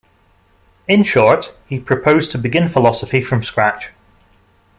In short, he proposed to begin philosophy from scratch.